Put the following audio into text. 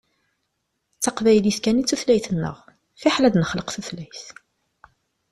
D taqbaylit kan i d tutlayt-nneɣ, fiḥel ad d-nexleq tutlayt.